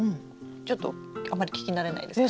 ちょっとあんまり聞き慣れないですかね。